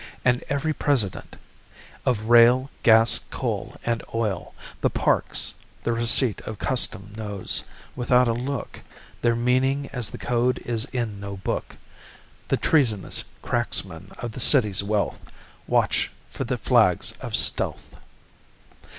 And every president Of rail, gas, coal and oil, the parks, The receipt of custom knows, without a look, Their meaning as the code is in no book. The treasonous cracksmen of the city's wealth Watch for the flags of stealth!